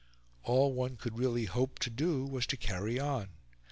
All one could really hope to do was to carry on.